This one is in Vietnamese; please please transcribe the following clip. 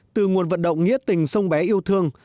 từ nguồn vận động nghĩa tình sông bé yêu thương